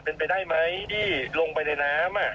เป็นไปได้ไหมที่ลงไปในน้ำ